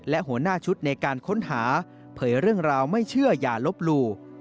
และหัวหน้าชุดในการค้นหาเผยเรื่องราวไม่เชื่ออย่าลบหลู่